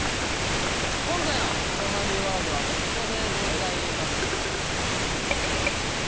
今回のとまビワードはこちらでございます。